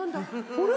あれ？